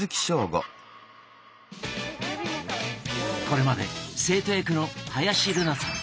これまで生徒役の林瑠奈さん